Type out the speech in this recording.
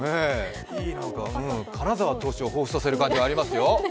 金沢投手をほうふつとさせる感じはありますよ。